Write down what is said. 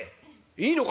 「いいのか？